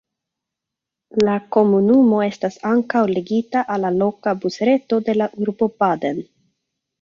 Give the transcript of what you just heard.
La komunumo estas ankaŭ ligita al la loka busreto de la urbo Baden.